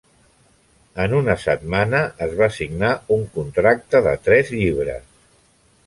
En una setmana, es va signar un contracte de tres llibres.